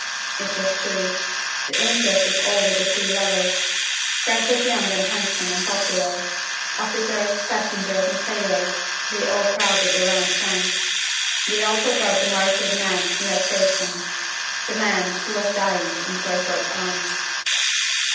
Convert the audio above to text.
It was true! The interest was all with the two lovers. Frank was young and handsome and popular. Officers, passengers, and sailors, they all crowded round Frank. They all forgot the martyred man who had saved him the man who was dying in Crayford's arms.